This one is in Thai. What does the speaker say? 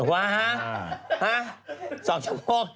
หาสองชั่วโมง